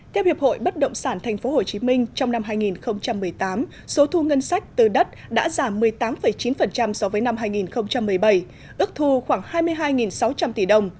theo hiệp hội bất động sản tp hcm trong năm hai nghìn một mươi tám số thu ngân sách từ đất đã giảm một mươi tám chín so với năm hai nghìn một mươi bảy ước thu khoảng hai mươi hai sáu trăm linh tỷ đồng